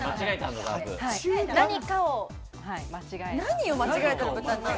何かを間違えた。